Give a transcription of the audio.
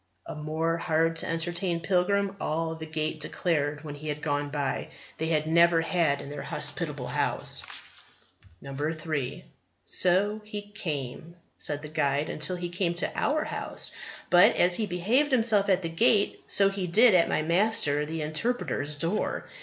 A more hard to entertain pilgrim, all the Gate declared when he had gone, they had never had in their hospitable house. 3. "So he came," said the guide, "till he came to our House; but as he behaved himself at the Gate, so he did at my Master the Interpreter's door.